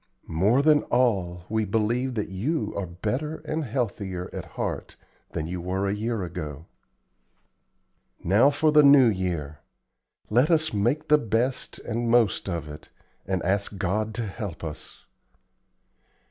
More than all, we believe that you are better and healthier at heart than you were a year ago. "Now for the New Year. Let us make the best and most of it, and ask God to help us."